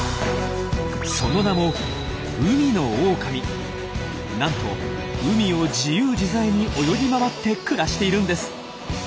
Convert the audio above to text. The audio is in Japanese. その名もなんと海を自由自在に泳ぎ回って暮らしているんです。